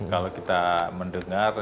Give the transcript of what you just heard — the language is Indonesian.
kalau kita mendengar